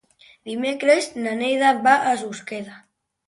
Dimecres na Neida va a Susqueda.